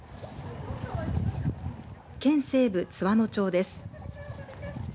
県西部津和野町です。